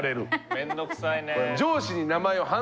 面倒くさいねぇ。